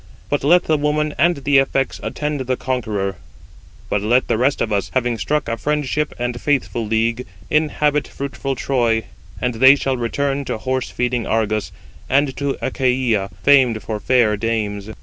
But let the woman and the effects attend the conqueror; but let the rest of us, having struck a friendship and faithful league, inhabit fruitful Troy, and they shall return to horse feeding Argos, and to Achaia, famed for fair dames."